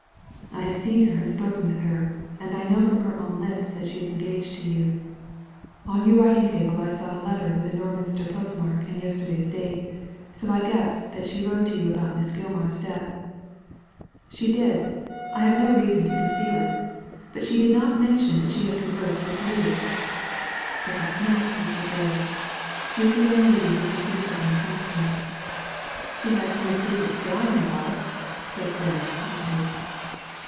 ''I have seen her and spoken with her; and I know from her own lips that she is engaged to you. On your writing table I saw an envelope with the Digitized by Google 138 THE LADY FROM NOWHERE Normlnstcf postmark and yesterday's date, so I guessed that she wrote to you about Miss Gilmar's death," "She did I I have no reason to conceal it. But she did not mention that she had conversed with you." "Perhaps not, Mr. Ferris. She is a young lady who can keep her own counsel." " She has no secrets that I know of," said Ferris, haughtily.